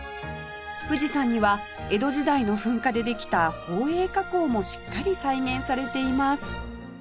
富士山には江戸時代の噴火でできた宝永火口もしっかり再現されています